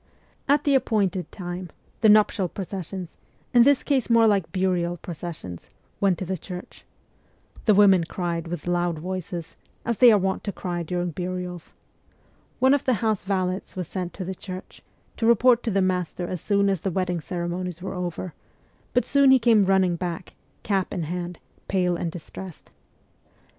At the appointed time, the nuptial processions, in this case more like burial processions, went to the church. The women cried with loud voices, as they are wont to cry during burials. One of the house valets was sent to the church, to report to the master as soon as the wedding ceremonies were over ; but soon he came running back, cap in hand, pale and distressed.